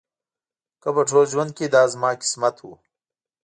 که په ټول ژوند کې دا زما قسمت و.